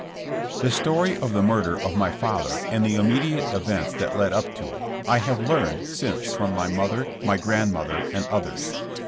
T HE story of the murder of my father and the immediate events that led up to it I have learned since from my mother, my grand mother and others.